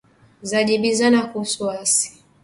Zajibizana kuhusu waasi